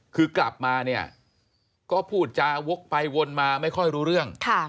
คือกลับมาเนี่ยก็พูดจาวกไปวนมาไม่ค่อยรู้เรื่อง